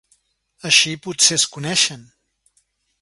Així potser es coneixen...